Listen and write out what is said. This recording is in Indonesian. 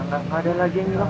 nggak ada lagi yang hilang